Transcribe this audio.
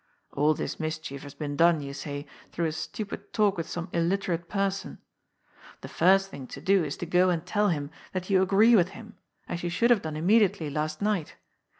All this mischief has been done, you say, through a stupid talk with some illiter ate person. The flrst thing to do is to go and tell him that you agree with him, as you should have done immediately last night.